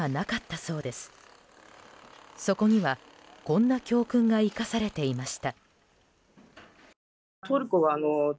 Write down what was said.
そこには、こんな教訓が生かされていました。